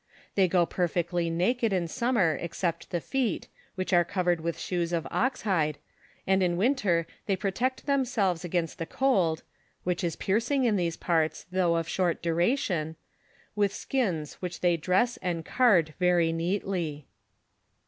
They go perfectly naked in summer except the feet, which are covered with shoes of ox hide, and in winter they protect themselves against the cold (which is piercing in these parts though of short dura tion), with skins which they dress and card very neatly.